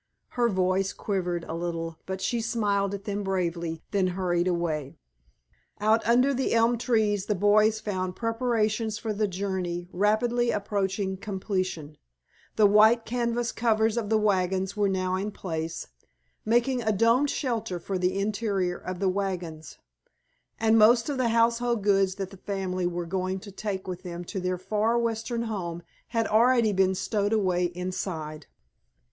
Her voice quivered a little but she smiled at them bravely, then hurried away. Out under the elm trees the boys found preparations for the journey rapidly approaching completion. The great white canvas covers of the wagons were now in place, making a domed shelter for the interior of the wagons, and most of the household goods that the family were going to take with them to their far western home had already been stowed away inside.